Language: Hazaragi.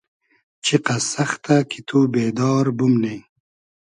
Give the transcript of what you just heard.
چیقئس سئختۂ کی تو بېدار بومنی